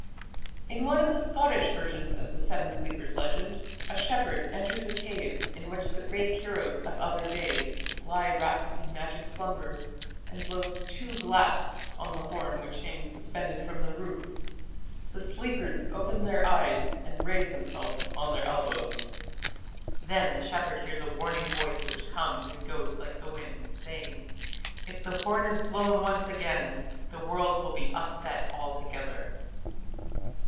In one of the Scottish versions of the Seven Sleepers legend a shepherd enters a cave, in which the great heroes of other days lie wrapped in magic slumber, and blows two blasts on the horn which hangs suspended from the roof. The sleepers open their eyes and raise themselves on their elbows. Then the shepherd hears a warning voice which comes and goes like the wind, saying: "If the horn is blown once again, the world will be upset altogether".